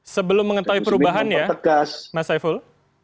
sebelum mengetahui perubahan ya mas saiful